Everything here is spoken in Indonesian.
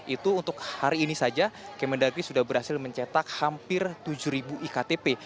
itu untuk hari ini saja kementerian dalam negeri sudah berhasil mencetak hampir tujuh ribu iktp